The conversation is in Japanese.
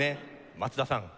松田さん。